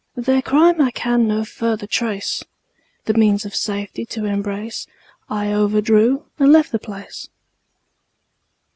Their crime I can no further trace The means of safety to embrace, I overdrew and left the place.